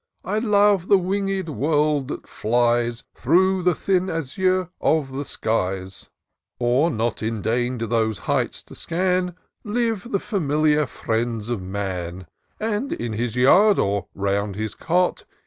I love the winged world that flies Through the thin azure of the skies ; Or, not ordain'd those heights to scan, Live the familiar friends of man, And, in his yard or round his cot.